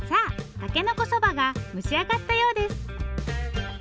たけのこそばが蒸し上がったようです